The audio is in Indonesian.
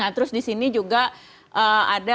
nah terus disini juga ada coblos ganjar pasang